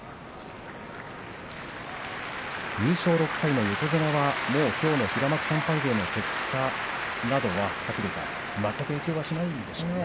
優勝６回の横綱は、もうきょうの平幕３敗勢の結果などは全く影響しないでしょうかね。